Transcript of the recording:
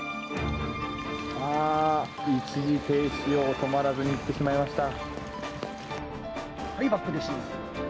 一時停止を止まらずに行ってしまいました。